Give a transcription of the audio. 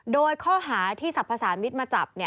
โดยข้อหาที่ศัพท์ภาษามิตรมาจับ